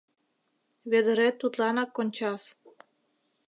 Вӧдырет тудланак кончас.